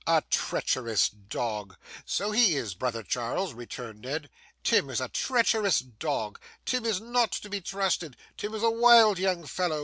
A treacherous dog!' 'So he is, brother Charles,' returned Ned; 'Tim is a treacherous dog. Tim is not to be trusted. Tim is a wild young fellow.